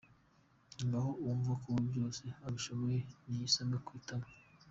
Ngaho uwumva ko we byose abishoboye niyisome ku itama.